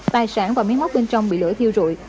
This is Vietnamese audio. tài sản và mấy móc bên trong bị lửa thiêu rụi